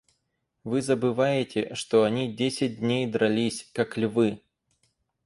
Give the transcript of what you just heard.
Вы забываете, что они десять дней дрались, как львы.